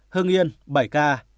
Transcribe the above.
hưng yên bảy ca